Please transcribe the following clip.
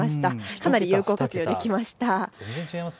かなり有効活用できました。